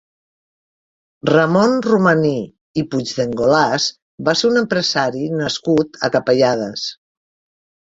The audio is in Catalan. Ramon Romaní i Puigdengolas va ser un empresari nascut a Capellades.